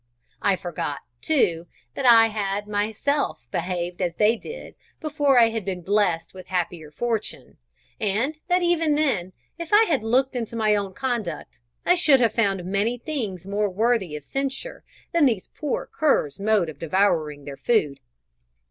I forgot too that I had myself behaved as they did before I had been blessed with happier fortune, and that, even then, if I had looked into my own conduct, I should have found many things more worthy of censure than these poor curs' mode of devouring their food.